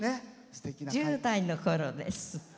１０代のころです。